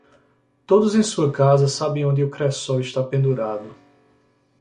Todos em sua casa sabem onde o cresol está pendurado.